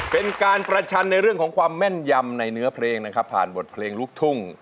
เป็นการประชันในเรื่องของความแม่นยำในเนื้อเพลงนะครับผ่านบทเพลงลูกทุ่ง